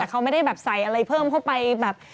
แต่เขาไม่ได้แบบใส่อะไรเพิ่มเข้าไปแบบ